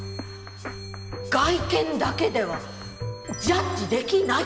外見だけではジャッジできないってことね。